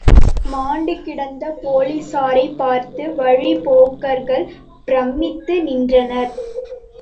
மாண்டுகிடந்த போலிஸாரைப் பார்த்து வழிப்போக்கர்கள் பிரமித்து நின்றனர்.